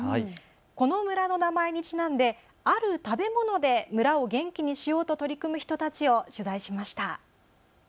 この村の名前にちなんである食べ物で村を元気にしようと取り組む人たちを取材しました。